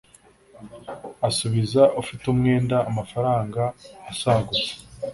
asubiza ufite umwenda amafaranga asagutse